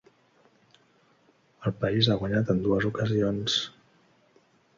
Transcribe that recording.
El país ha guanyat en dues ocasions.